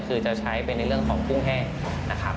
คือจะใช้เป็นในเรื่องของกุ้งแห้งนะครับ